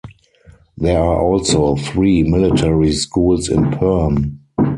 There are also three military schools in Perm.